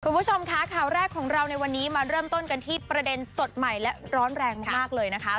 คุณผู้ชมค่ะข่าวแรกของเราในวันนี้มาเริ่มต้นกันที่ประเด็นสดใหม่และร้อนแรงมากเลยนะคะ